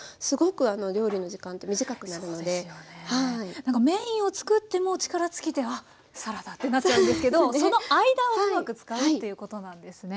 なんかメインを作ってもう力尽きてあっサラダってなっちゃうんですけどその間をうまく使うっていうことなんですね。